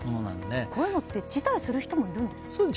こういうのって辞退する人もいますか。